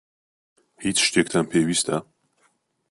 هیچ شتێکتان پێویستە؟